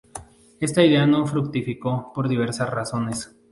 Esta idea no fructificó por diversas razones.